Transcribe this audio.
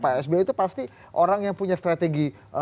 pak sby itu pasti orang yang punya strategi